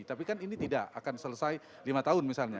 nah ini tidak akan selesai lima tahun misalnya